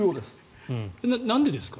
なんでですか？